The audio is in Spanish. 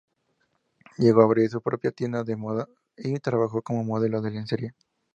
Llegó a abrir su propia tienda de moda y trabajó como modelo de lencería.